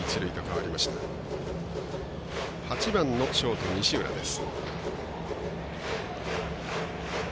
８番のショート西浦です。